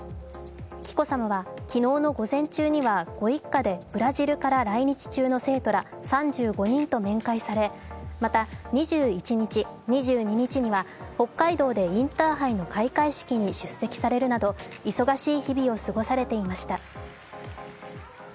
紀子さまは昨日の午前中にはご一家でブラジルから来日中の生徒ら３５人と面会されまた２１日、２２日には北海道でインターハイの開会式に出席されるなど忙しい日々を過ごされていました。